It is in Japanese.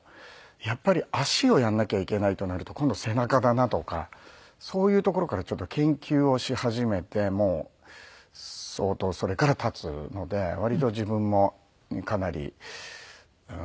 やっぱり足をやらなきゃいけないとなると今度背中だなとかそういうところからちょっと研究をし始めてもう相当それから経つので割と自分もかなりうーんなんていうのかな。